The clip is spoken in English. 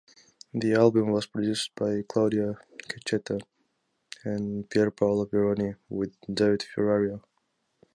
The album was produced by Claudio Cecchetto and Pier Paolo Peroni with Davide Ferrario.